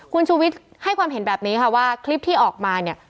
คุณชูวิทย์ให้ความเห็นแบบนี้ค่ะว่าคลิปที่ออกมาเนี่ย